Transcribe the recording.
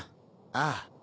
ああ。